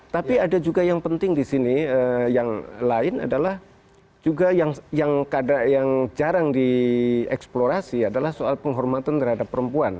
tapi ada juga yang penting di sini yang lain adalah juga yang jarang dieksplorasi adalah soal penghormatan terhadap perempuan